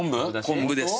昆布です。